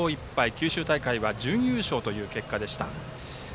九州大会は準優勝という結果でした。